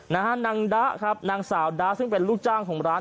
นางดะครับนางสาวดะซึ่งเป็นลูกจ้างของร้าน